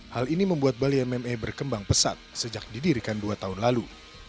hal ini membuat bali mma berkembang pesat sejak didirikan dua tahun lalu